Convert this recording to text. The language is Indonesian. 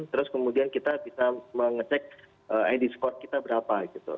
terus kemudian kita bisa mengecek id scoret kita berapa gitu